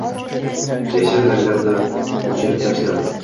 Yashil ranglar bilan o’chirib tashlar.